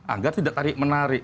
agar tidak tarik menarik